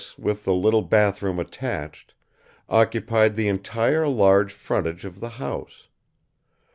This, with the little bathroom attached, occupied the entire large frontage of the house.